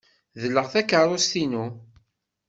Dleɣ takeṛṛust-inu.